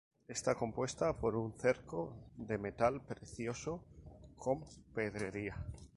Está compuesta por un cerco de metal precioso con pedrería.